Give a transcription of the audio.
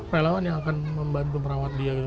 relawan yang akan membantu merawat dia gitu